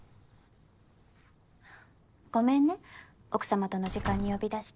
・ごめんね奥様との時間に呼び出して。